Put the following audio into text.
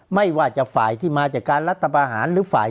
ไม่ว่าจะฝ่ายที่มาจากการรัฐบาหาร